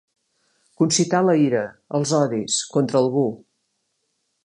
Concitar la ira, els odis, contra algú.